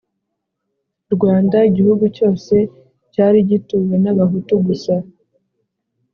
rwanda; igihugu cyose cyari gituwe n'abahutu gusa,